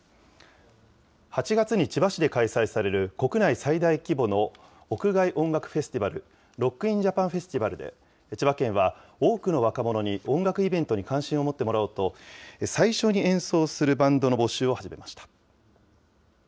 ８月に千葉市で開催される国内最大規模の屋外音楽フェスティバル、ロック・イン・ジャパン・フェスティバルで、千葉県は多くの若者に音楽イベントに関心を持ってもらおうと、最初に演奏するバンドの募集を始めました。